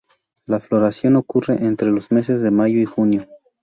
La floración ocurre entre los meses de mayo y junio.